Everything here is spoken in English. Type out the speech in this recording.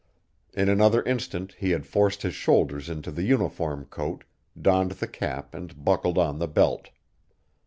In another instant he had forced his shoulders into the uniform coat, donned the cap and buckled on the belt.